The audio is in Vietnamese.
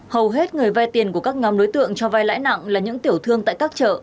hầu hết người vay tiền của các nhóm đối tượng cho vai lãi nặng là những tiểu thương tại các chợ